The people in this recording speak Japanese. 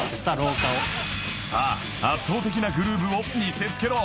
さあ圧倒的なグルーヴを見せつけろ！